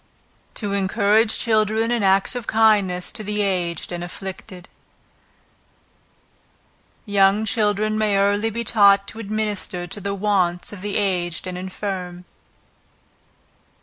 To Encourage Children in Acts of Kindness to the Aged and Afflicted. Young children may early be taught to administer to the wants of the aged and infirm.